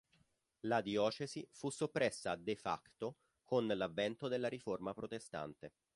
La diocesi fu soppressa "de facto" con l'avvento della Riforma protestante.